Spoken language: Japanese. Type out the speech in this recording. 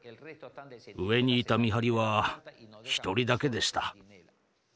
上にいた見張りは１人だけでした。